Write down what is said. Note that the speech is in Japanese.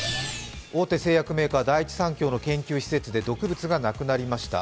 大手製薬メーカー、第一三共の研究施設で毒物がなくなりました。